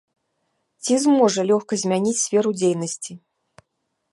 Ці зможа лёгка змяніць сферу дзейнасці?